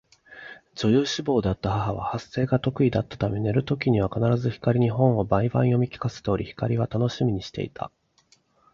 女優志望であった母は発声が得意だったため寝る時には必ず光に本を毎晩読み聞かせており、光は楽しみにしていた